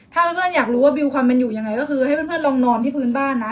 ถ้าเพื่อนอยากรู้ว่าบิวความเป็นอยู่ยังไงก็คือให้เพื่อนลองนอนที่พื้นบ้านนะ